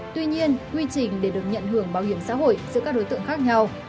tuy nhiên quy trình để được nhận hưởng bảo hiểm xã hội giữa các đối tượng khác nhau